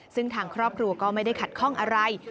ซึ่งทางครอบครัวก็ไม่ได้ขัดข้องอะไร